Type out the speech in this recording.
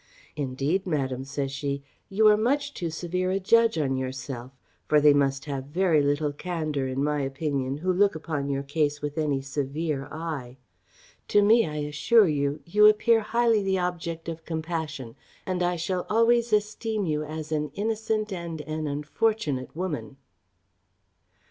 "Indeed, madam," says she, "you are much too severe a judge on yourself; for they must have very little candour, in my opinion, who look upon your case with any severe eye. To me, I assure you, you appear highly the object of compassion; and I shall always esteem you as an innocent and an unfortunate woman."